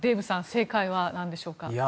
正解は何でしょうか。